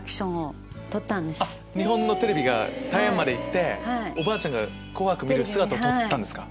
日本のテレビが台湾まで行っておばあちゃんが『紅白』見る姿を撮ったんですか。